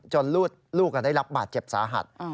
ลูกได้รับบาดเจ็บสาหัส